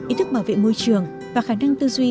ý thức bảo vệ môi trường và khả năng tư duy